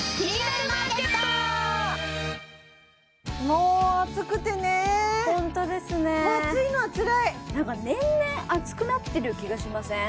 もう暑くてねもう暑いのはつらいホントですねなんか年々暑くなってる気がしません？